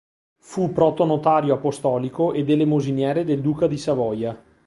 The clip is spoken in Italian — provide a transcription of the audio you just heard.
Fu protonotario apostolico ed elemosiniere del duca di Savoia.